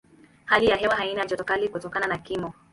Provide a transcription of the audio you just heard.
Hali ya hewa haina joto kali kutokana na kimo.